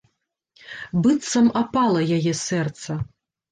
Быццам апала яе сэрца.